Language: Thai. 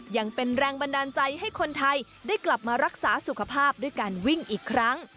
ยังเป็นแรงบันดาลใจให้คนไทยได้กลับมารักษาสุขภาพด้วยการวิ่งอีกครั้ง